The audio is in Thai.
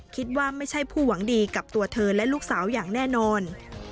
คิดว่าไม่ใช่ผู้หวังดีกับตัวเธอและลูกสาวอย่างแน่นอน